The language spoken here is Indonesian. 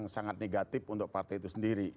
sangat negatif untuk partai itu sendiri